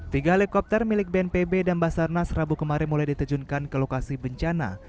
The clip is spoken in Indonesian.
tiga helikopter milik bnpb dan basarnas rabu kemarin mulai diterjunkan ke lokasi bencana